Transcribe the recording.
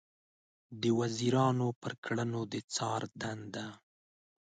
د وزیرانو پر کړنو د څار دنده